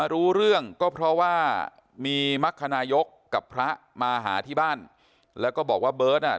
รู้เรื่องก็เพราะว่ามีมรรคนายกกับพระมาหาที่บ้านแล้วก็บอกว่าเบิร์ตอ่ะ